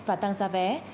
và tăng ra vé